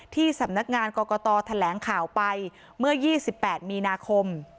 ที่สำนักงานกรกตแถลงข่าวไปเมื่อ๒๘มีนาคม